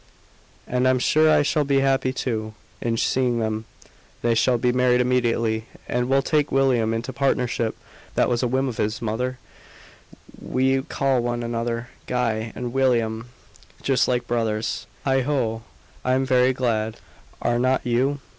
"And I'm sure I shall be happy too, in seeing them. They shall be married immediately. And we'll take William into partnership that was a whim of his, mother we call one another 'Guy' and 'William,' just like brothers. Heigho! I'm very glad. Are not you?"